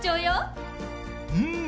うん！